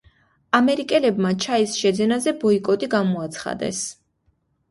ამერიკელებმა ჩაის შეძენაზე ბოიკოტი გამოაცხადეს.